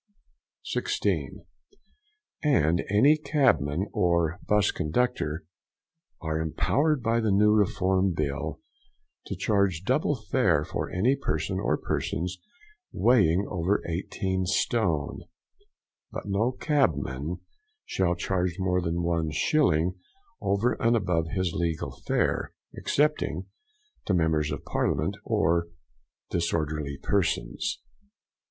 16. And any cabman or 'bus conductor are empowered by the new Reform Bill to charge double fare for any person or persons weighing over eighteen stone; but no cabman shall charge more than one shilling over and above his legal fare, excepting to Members of Parliament or disorderly persons.